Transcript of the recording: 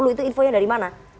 itu info yang dari mana